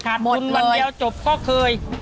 ขาดทุนวันเดียวจบก็เคย